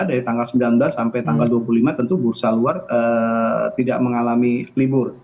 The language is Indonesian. dari tanggal sembilan belas sampai tanggal dua puluh lima tentu bursa luar tidak mengalami libur